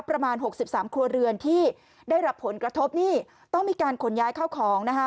ประมาณหกสิบสามครัวเรือนที่ได้รับผลกระทบนี่ต้องมีการขนย้ายเข้าของนะคะ